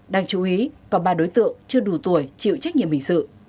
đang chú ý còn ba đối tượng chưa đủ tuổi chịu trách nhiệm hình sự